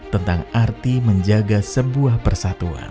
tentang arti menjaga sebuah persatuan